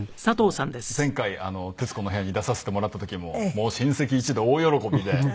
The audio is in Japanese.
前回『徹子の部屋』に出させてもらった時ももう親戚一同大喜びで。